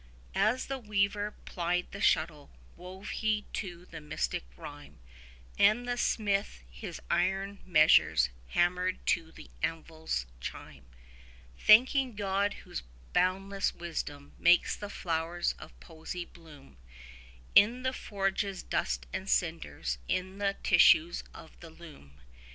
As the weaver plied the shuttle, wove he too the mystic rhyme, And the smith his iron measures hammered to the anvil's chime; Thanking God, whose boundless wisdom makes the flowers of poesy bloom In the forge's dust and cinders, in the tissues of the loom.